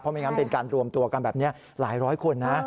ไม่งั้นเป็นการรวมตัวกันแบบนี้หลายร้อยคนนะ